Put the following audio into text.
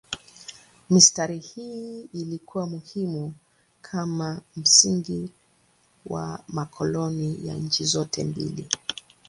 Mistari hii ilikuwa muhimu kama msingi wa makoloni ya nchi zote mbili.